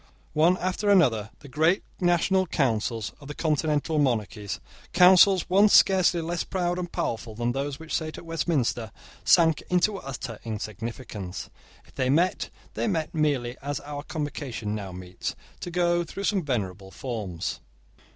One after another, the great national councils of the continental monarchies, councils once scarcely less proud and powerful than those which sate at Westminster, sank into utter insignificance. If they met, they met merely as our Convocation now meets, to go through some venerable forms.